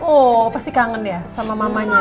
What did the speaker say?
oh pasti kangen ya sama mamanya